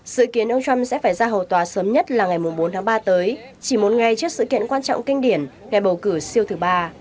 dự kiến ông trump sẽ phải ra hầu tòa sớm nhất là ngày bốn tháng ba tới chỉ muốn ngay trước sự kiện quan trọng kinh điển ngày bầu cử siêu thứ ba